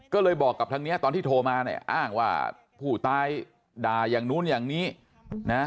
ก็เลยบอกกับทางนี้ตอนที่โทรมาเนี่ยอ้างว่าผู้ตายด่าอย่างนู้นอย่างนี้นะ